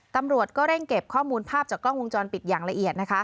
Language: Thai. ตำรวจก็เร่งเก็บข้อมูลภาพจากกล้องวงจรปิดอย่างละเอียด